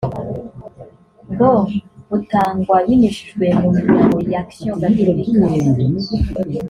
ngo butangwa binyujijwe mu miryango y’action Gatolika